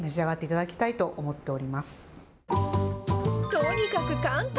とにかく簡単。